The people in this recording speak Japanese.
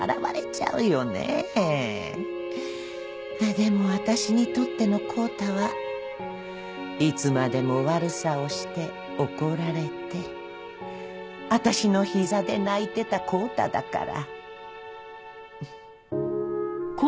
でも私にとっての康太はいつまでも悪さをして怒られて私のひざで泣いてた康太だから。